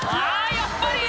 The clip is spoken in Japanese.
やっぱり！